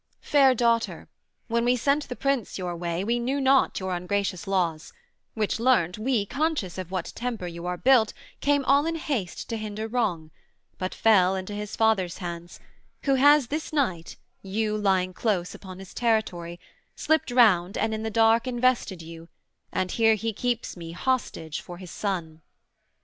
'Fair daughter, when we sent the Prince your way, We knew not your ungracious laws, which learnt, We, conscious of what temper you are built, Came all in haste to hinder wrong, but fell Into his father's hands, who has this night, You lying close upon his territory, Slipt round and in the dark invested you, And here he keeps me hostage for his son.'